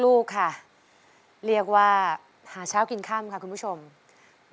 รายการต่อไปนี้เป็นรายการทั่วไปสามารถรับชมได้ทุกวัย